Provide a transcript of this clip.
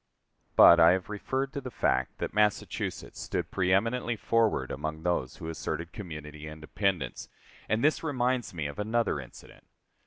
But I have referred to the fact that Massachusetts stood preëminently forward among those who asserted community independence: and this reminds me of another incident.